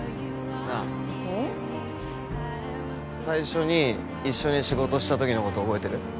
最初に一緒に仕事したときのこと覚えてる？